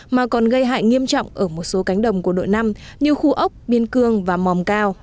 mà còn gây hại nghiêm trọng ở một số cánh đồng của đội năm như khu ốc biên cương và mòm cao